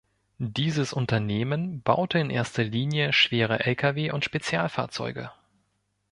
Dieses Unternehmen baute in erster Linie schwere Lkw und Spezialfahrzeuge.